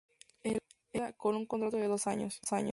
E. Larisa, con un contrato de dos años.